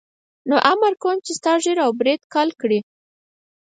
نو امر کوم چې ستا ږیره او برېت کل کړي.